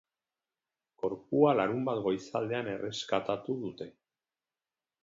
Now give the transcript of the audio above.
Gorpua larunbat goizaldean erreskatatu dute.